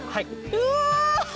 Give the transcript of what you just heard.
うわ！